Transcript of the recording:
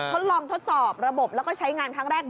ทดลองทดสอบระบบแล้วก็ใช้งานครั้งแรก